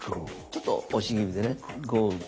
ちょっと押し気味でね。